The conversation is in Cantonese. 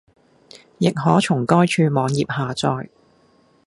亦可從該處網頁下載